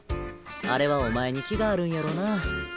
あれはお前に気があるんやろな。